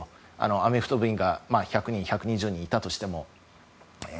アメフト部員が１２０人いたとしても。